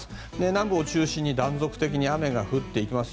南部を中心に断続的に雨が降っていきます。